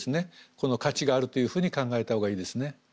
価値があるというふうに考えたほうがいいですね。